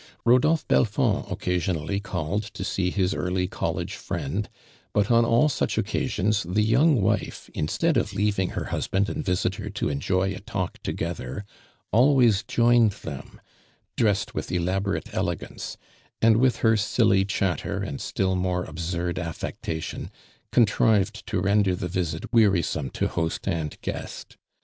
Rodolphe Belfond occasionally called to see his early college friend, but on all sucli occasions the young wife, instead of leav ing her husband and visitor to enjoy a talk together, always joined them, dressed with elaborate elegance ; and with her silly idiatter and still more absuixl affectation, contrived to render the visit wearisome to host and guest.